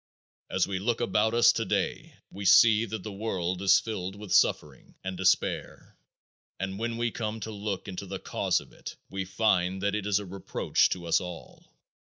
As we look about us today we see that the world is filled with suffering and despair and when we come to look into the cause of it we find that it is a reproach to us all.